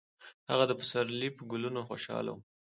هغه د پسرلي په ګلونو خوشحاله و.